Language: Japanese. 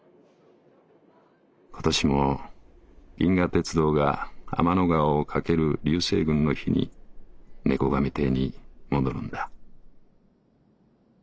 今年も銀河鉄道が天の川を駆ける流星群の日に猫神亭に戻るんだ」。